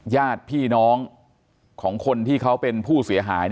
ญาติพี่น้องของคนที่เขาเป็นผู้เสียหาย